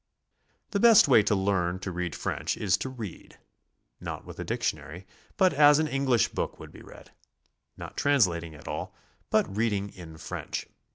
The best way to learn to read French is to read, — not with the dictionary, but as an English book would be read; not translating at all, but reading in French.